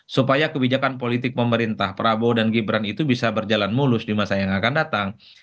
supaya kebijakan politik pemerintah prabowo dan gibran itu bisa berjalan mulus di masa yang akan datang